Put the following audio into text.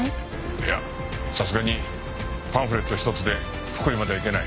いやさすがにパンフレット１つで福井までは行けない。